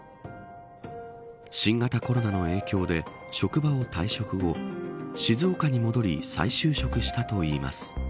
新型コロナの影響で職場を退職後静岡に戻り再就職したといいます。